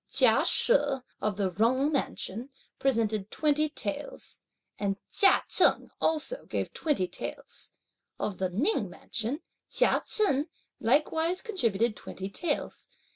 Chia She, of the Jung Mansion, presented twenty taels, and Chia Cheng also gave twenty taels. Of the Ning Mansion, Chia Chen likewise contributed twenty taels.